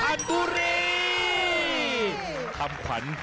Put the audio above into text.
เฮยกตำบล